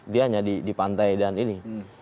dia hanya di pantai dan ini